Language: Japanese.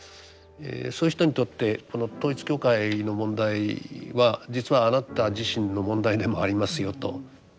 そういう人にとってこの統一教会の問題は実はあなた自身の問題でもありますよと。